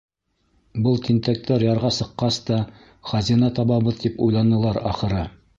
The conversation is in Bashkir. Был тинтәктәр ярға сыҡҡас та хазина табабыҙ тип уйланылар, ахыры.